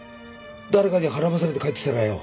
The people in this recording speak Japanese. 誰かにはらまされて帰ってきたらよ